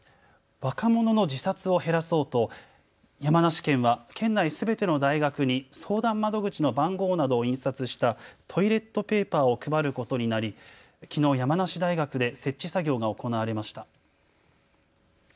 若者の自殺を減らそうと山梨県は県内全ての大学に相談窓口の番号などを印刷したトイレットペーパーを配ることになり、きのう山梨大学で設置作業が行われました。